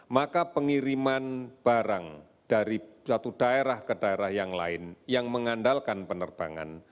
maka pengiriman barang dari satu daerah ke daerah yang lain yang mengandalkan penerbangan